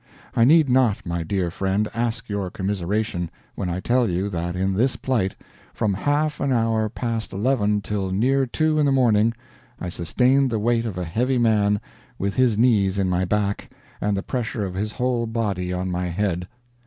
I need not, my dear friend, ask your commiseration, when I tell you, that in this plight, from half an hour past eleven till near two in the morning, I sustained the weight of a heavy man, with his knees in my back, and the pressure of his whole body on my head.